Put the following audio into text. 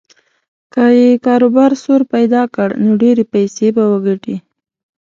که یې کاروبار سور پیدا کړ نو ډېرې پیسې به وګټي.